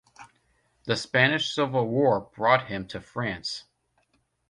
The Spanish Civil War brought him to France.